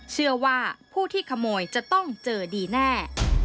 เชื่อว่าผู้ที่ขโมยจะต้องเจอดีแน่